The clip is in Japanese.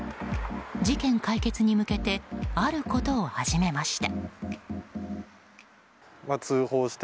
事件解決に向けてあることを始めました。